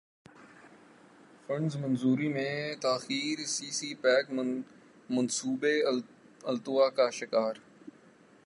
funds منظوری میں تاخیر سے سی پیک منصوبے التوا کا شکار